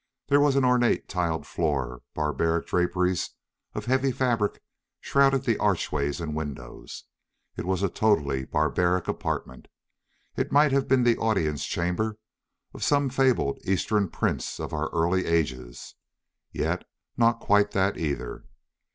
There was an ornate tiled floor. Barbaric draperies of heavy fabric shrouded the archways and windows. It was a totally barbaric apartment. It might have been the audience chamber of some fabled Eastern Prince of our early ages. Yet not quite that either.